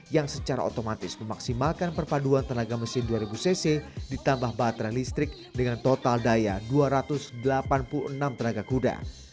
yang secara otomatis memaksimalkan perpaduan tenaga mesin dua ribu cc ditambah baterai listrik dengan total daya dua ratus delapan puluh enam tenaga kuda